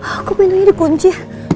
aku penuhi kunci